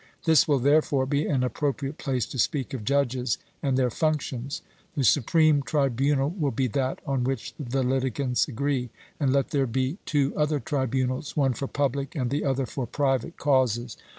This will therefore be an appropriate place to speak of judges and their functions. The supreme tribunal will be that on which the litigants agree; and let there be two other tribunals, one for public and the other for private causes.